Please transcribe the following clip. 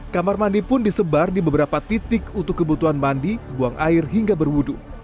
kamar mandi pun disebar di beberapa titik untuk kebutuhan mandi buang air hingga berwudu